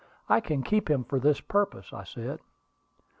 I can keep him for this purpose," I said.